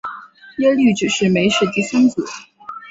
耶律只没是第三子。